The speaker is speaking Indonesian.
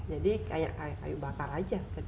jadi kayak kayu bakar aja